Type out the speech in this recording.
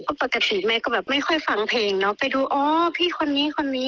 เพราะปกติแม่ก็แบบไม่ค่อยฟังเพลงเนาะไปดูอ๋อพี่คนนี้คนนี้